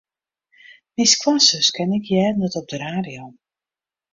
Myn skoansuske en ik hearden it op de radio.